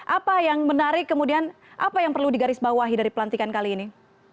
apa yang menarik kemudian apa yang perlu digarisbawahi dari pelantikan kali ini